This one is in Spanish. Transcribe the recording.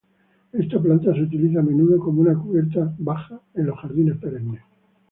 Esta planta se utiliza a menudo como una cubierta baja en los jardines perennes.